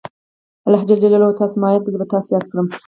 الله ج وایي تاسو ما یاد کړئ زه به تاسې یاد کړم.